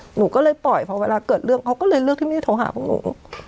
หนูก็เลยปล่อยเพราะเวลาเกิดเรื่องเขาก็เลยเลือกที่ไม่ได้โทรหาพวกหนู